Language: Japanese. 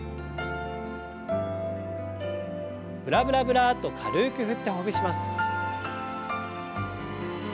ブラブラブラッと軽く振ってほぐします。